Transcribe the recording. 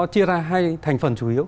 chia ra hai thành phần chủ yếu